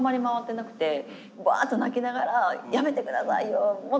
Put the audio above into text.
ワーッと泣きながら「やめて下さいよ」。